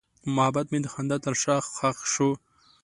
محبت مې د خندا تر شا ښخ شو.